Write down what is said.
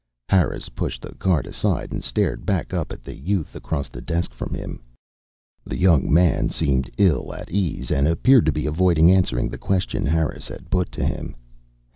_ Harris pushed the card aside and stared back up at the youth across the desk from him. The young man seemed ill at ease and appeared to be avoiding answering the question Harris had put to him.